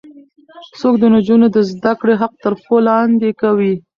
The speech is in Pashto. څوک د نجونو د زده کړې حق تر پښو لاندې کوي؟